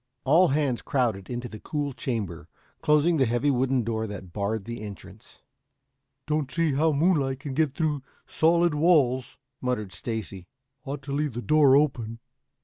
All hands crowded into the cool chamber, closing the heavy wooden door that barred the entrance. "Don't see how moonlight can get through solid walls," muttered Stacy. "Ought to leave the door open."